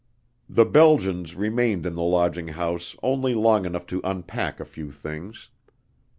The Belgians remained in the lodging house only long enough to unpack a few things.